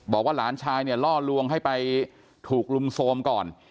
บอกว่าล้านชายล่อล้วงให้ไปถูกลุมโ้มก่อน